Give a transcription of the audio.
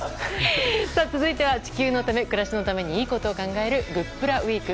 続いては、地球のため暮らしのためにいいことを考えるグップラウィーク。